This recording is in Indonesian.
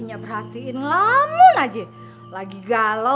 apa jadi lo